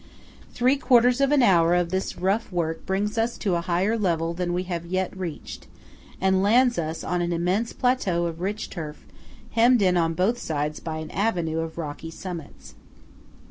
Three quarters of an hour of this rough work brings us to a higher level than we have yet reached, and lands us on an immense plateau of rich turf hemmed in on both sides by an avenue of rocky summits.